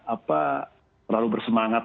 apa terlalu bersemangat